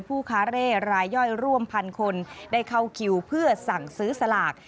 ผู้ค้าเร่รายย่อยร่วมพันคนได้เข้าคิวเพื่อสั่งซื้อสลาก